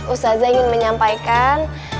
ustadz ingin menyampaikan